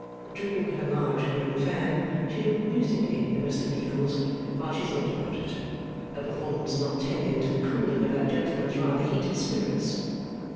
Drooping her large green fan, she looked musingly at Mr Meagles while she thought about it; a performance not tending to the cooling of that gentleman's rather heated spirits.